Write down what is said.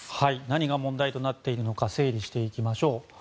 何が問題となっているのか整理していきましょう。